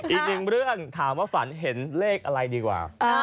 อีกหนึ่งเรื่องถามว่าฝันเห็นเลขอะไรดีกว่า